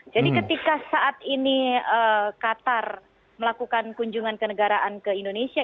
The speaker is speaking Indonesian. jadi ketika saat ini qatar melakukan kunjungan ke negaraan ke indonesia